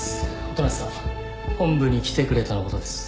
音無さん本部に来てくれとのことです。